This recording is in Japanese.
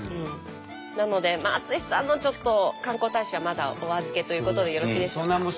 なので淳さんのちょっと観光大使はまだお預けということでよろしいでしょうか？